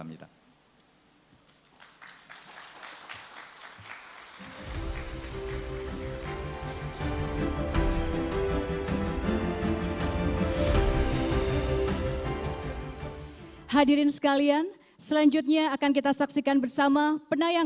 hai hadirin sekalian selanjutnya akan kita saksikan b ok kalau yang